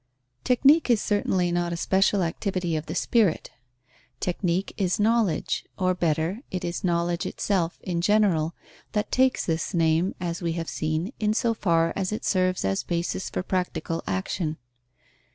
_ Technique is certainly not a special activity of the spirit. Technique is knowledge; or better, it is knowledge itself, in general, that takes this name, as we have seen, in so far as it serves as basis for practical action.